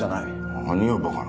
何をバカな。